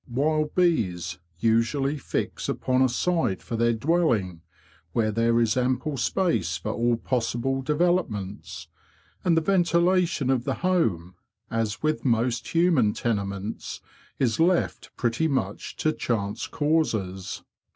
Wild bees usually fix upon a site for their dwelling where there is ample space for all possible developments; and the ventilation of the home—as with most human tenements—is left pretty much to chance causes.